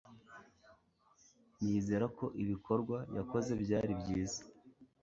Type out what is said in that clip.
Nizera ko ibikorwa yakoze byari byiza